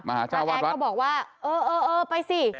พระแอสเขาบอกว่าเออไปซิ